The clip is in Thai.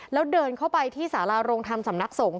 แล้วเดินเข้าไปที่สาราโรงธรรมสำนักสงฆ